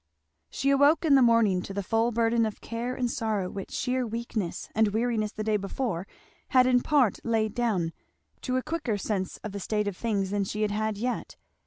She awoke in the morning to the full burden of care and sorrow which sheer weakness and weariness the day before had in part laid down; to a quicker sense of the state of things than she had had yet.